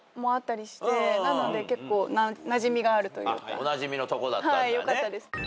おなじみのとこだったんだね。